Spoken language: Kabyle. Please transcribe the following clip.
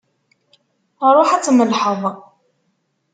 Ṛuḥ ad tmellḥeḍ!